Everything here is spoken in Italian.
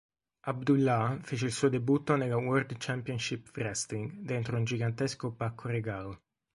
Abdullah fece il suo debutto nella World Championship Wrestling dentro un gigantesco pacco regalo.